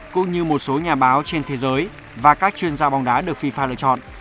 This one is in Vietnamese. cũng như một số nhà báo trên thế giới và các chuyên gia bóng đá được fifa lựa chọn